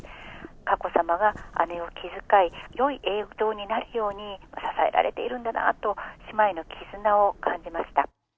佳子さまが姉を気遣い、よい映像になるように支えられているんだなと、姉妹の絆を感じました。